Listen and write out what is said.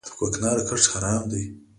د کوکنارو کښت حرام دی؟